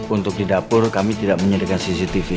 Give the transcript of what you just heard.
untuk di dapur kami tidak menyediakan cctv